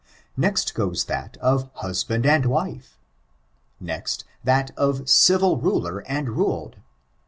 f^ext goes that ot husband and wife. Next, that of civil ruler and ruled.